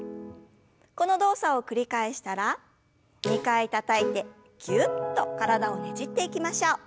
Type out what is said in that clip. この動作を繰り返したら２回たたいてぎゅっと体をねじっていきましょう。